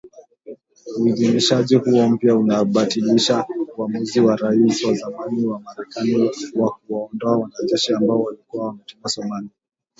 Uidhinishaji huo mpya unabatilisha uamuzi wa Rais wa zamani wa Marekani wa kuwaondoa wanajeshi ambao walikuwa wametumwa Somalia